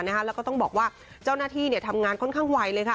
และก็ต้องบอกว่าเจ้าหน้าที่ทำงานค่อนข้างไหว